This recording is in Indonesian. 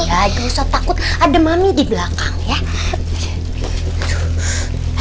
iya jangan usah takut ada mami dibelakang ya